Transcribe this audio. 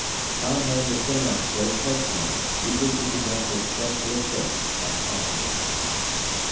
Tom manned the sonarscope personally, eager to conduct as careful a search as possible.